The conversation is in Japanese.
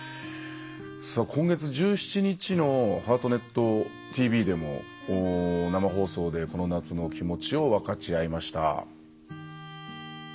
今月１７日の「ハートネットＴＶ」でも生放送で、この夏の気持ちを分かち合いました。